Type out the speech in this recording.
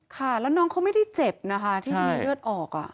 ค่ะแล้วน้องเขาไม่ได้เจ็บนะคะที่มีเลือดออก